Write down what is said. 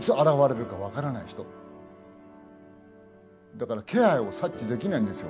だから気配を察知できないんですよ